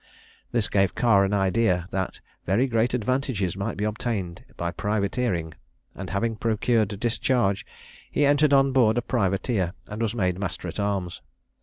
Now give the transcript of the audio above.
This gave Carr an idea that very great advantages might be obtained by privateering, and having procured a discharge, he entered on board a privateer, and was made master at arms.